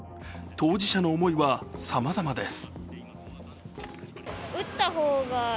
当事者の思いはさまざまです。